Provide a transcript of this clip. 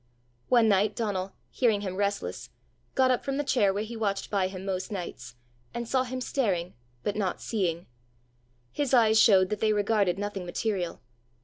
One night Donal, hearing him restless, got up from the chair where he watched by him most nights, and saw him staring, but not seeing: his eyes showed that they regarded nothing material.